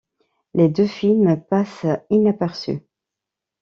Les deux films passent inaperçus.